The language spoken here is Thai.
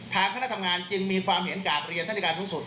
คณะทำงานจึงมีความเห็นกราบเรียนท่านในการสูงสุด